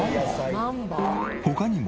他にも。